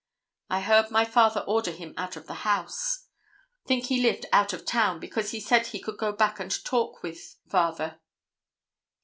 I heard my father order him out of the house. Think he lived out of town, because he said he could go back and talk with father."